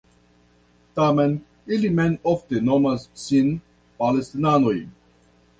Tamen, ili mem ofte nomas sin Palestinanoj.